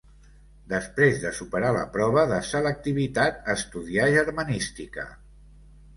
Després de superar la prova de selectivitat estudià germanística.